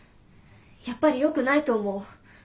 やっぱりよくないと思う。